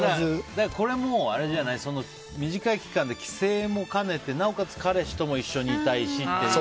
これはもう、あれじゃない短い期間で帰省も兼ねてなおかつ彼氏とも一緒にいたいしっていう。